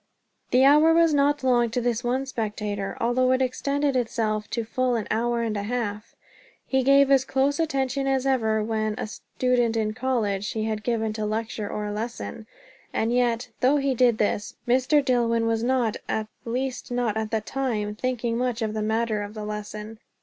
The hour was not long to this one spectator, although it extended itself to full an hour and a half. He gave as close attention as ever when a student in college he had given to lecture or lesson. And yet, though he did this, Mr. Dillwyn was not, at least not at the time, thinking much of the matter of the lesson.